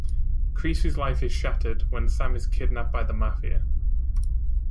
Creasy's life is shattered when Sam is kidnapped by the mafia.